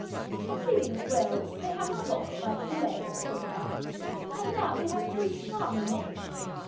"Exceedingly well! they have not lost by the delay," said Madame, "and now we have three charming names.